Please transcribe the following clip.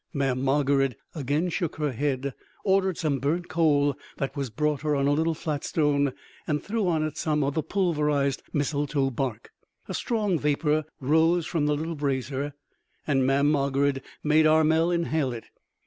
Mamm' Margarid again shook her head, ordered some burnt coal, that was brought her on a little flat stone and threw on it some of the pulverized mistletoe bark. A strong vapor rose from the little brasier, and Mamm' Margarid made Armel inhale it.